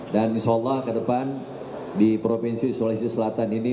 dan insyaallah ke depan di provinsi sulawesi selatan ini